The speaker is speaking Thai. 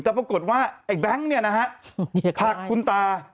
แต่ปรากฏว่าไอ้แบงค์เนี่ยนะฮะผลักคุณตา